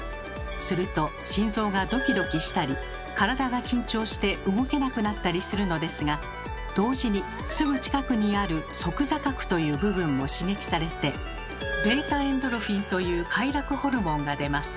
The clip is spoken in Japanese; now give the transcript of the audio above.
すると心臓がドキドキしたり体が緊張して動けなくなったりするのですが同時にすぐ近くにある「側坐核」という部分も刺激されて「βエンドルフィン」という快楽ホルモンが出ます。